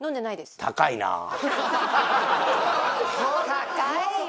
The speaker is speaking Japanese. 高いよ。